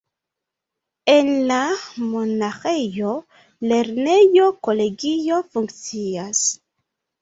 En la monaĥejo lernejo-kolegio funkcias.